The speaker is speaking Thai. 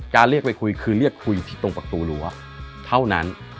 เรียกไปคุยคือเรียกคุยที่ตรงประตูรั้วเท่านั้น